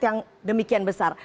yang demikian besar